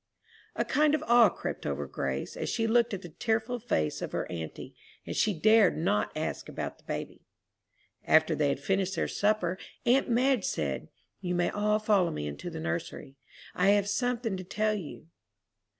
A kind of awe crept over Grace as she looked at the tearful face of her auntie, and she dared not ask about the baby. After they had finished their supper, aunt Madge said, "You may all follow me into the nursery; I have something to tell you.